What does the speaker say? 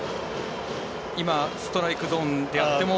今、ストライクゾーンであっても？